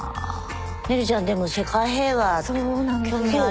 ねるちゃんでも世界平和興味ある。